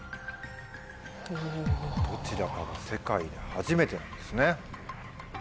どちらかが世界で初めてなんですね。